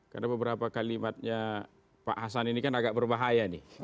karena beberapa kalimatnya pak hasan ini kan agak berbahaya nih